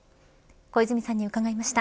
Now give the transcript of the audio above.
小泉さんに伺いました。